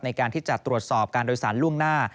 ในการที่จะตรวจสอบการโดยสารล่วงหน้า